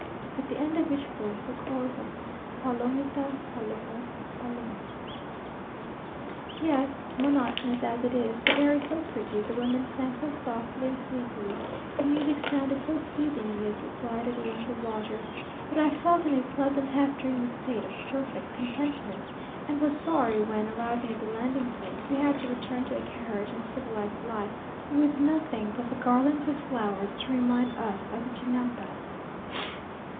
At the end of each verse the chorus of "Palomita, palomo, palomo." Yet, monotonous as it is, the air is so pretty, the women sang so softly and sleepily, the music sounded so soothingly as we glided along the water, that I felt in a pleasant half dreamy state of perfect contentment, and was sorry when, arriving at the landing place, we had to return to a carriage and civilized life, with nothing but the garlands of flowers to remind us of the Chinampas.